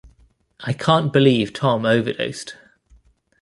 I can't believe Tom overdosed.